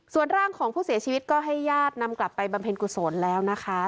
ส่วนร่างของผู้เสียชีวิตก็ให้ญาตินำกลับไปบำเพ็ญกุศลแล้วนะคะ